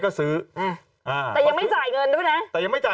เค้าสี่คนนี้ค่ะ